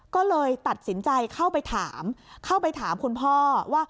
ก็เลยตัดสินใจเข้าไปถามเข้าไปถามคุณพ่อว่า